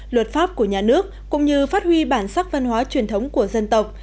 luật pháp của nhà nước cũng như phát huy bản sắc văn hóa truyền thống của dân tộc